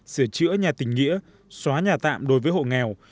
sửa chữa nhà tình nghĩa xóa nhà tạm đối với hộ nghèo